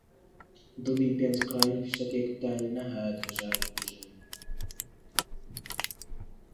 دڵی پێنج قڕانی فیشەکێکتان نەهات هەژار بکوژن